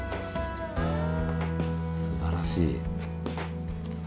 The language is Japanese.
すばらしい。